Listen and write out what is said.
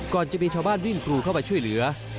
จะมีชาวบ้านวิ่งกรูเข้ามาช่วยเหลือ